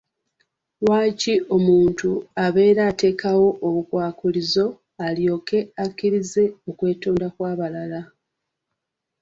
Lwaki omuntu abeera ateekawo obukwakkulizo alyoke akkirize okwetonda kw'abalala?